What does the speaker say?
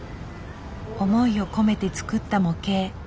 思いを込めて作った模型。